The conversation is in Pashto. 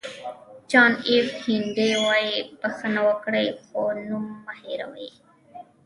جان اېف کینېډي وایي بښنه وکړئ خو نوم مه هېروئ.